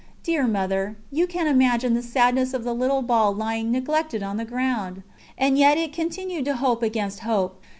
Dear Mother, you can imagine the sadness of the little ball lying neglected on the ground! And yet it continued to hope against hope.